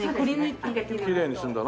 きれいにするんだろ？